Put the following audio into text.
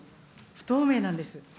不透明なんです。